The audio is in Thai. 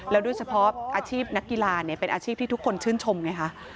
แล้วด้วยเฉพาะอาชีพนักกีฬาเป็นอาชีพที่ทุกคนชื่นชมไงคะ